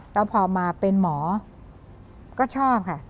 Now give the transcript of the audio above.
แล้วพอมาเป็นหมอก็ชอบค่ะ